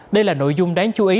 đây là nội dung đáng chú ý